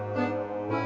ya pak sofyan